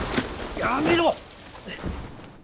やめろ！